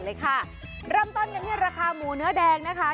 เลยค่ะรำต่อดังที่ราคาหมูเนื้อแดงนะคะ